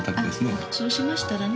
あっそうしましたらね